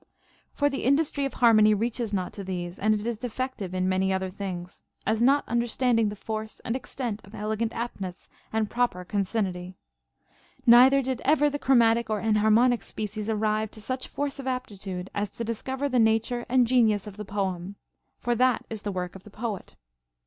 For the industry of har mony reaches not to these, and it is defective in many other things, as not understanding the force and extent of elegant aptness and proper concinnity. Neither did ever the chro CONCERNING MUSIC. 127 miitic or enharmonic species arrive to such force of aptitude as to discover the nature and genius of the poem; for that is the work of the poet.